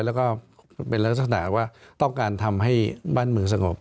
แล้วก็เป็นลักษณะว่าต้องการทำให้บ้านเมืองสงบ